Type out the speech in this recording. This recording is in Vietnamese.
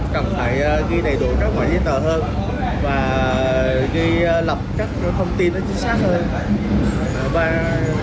cần phải ghi đầy đủ các loại giấy tờ hơn và ghi lập các thông tin nó chính xác hơn